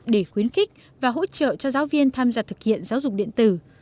để khuyến khích và hỗ trợ cho giáo viên tham gia thực hiện giáo dục điện tử